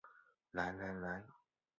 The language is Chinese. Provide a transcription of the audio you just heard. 来来来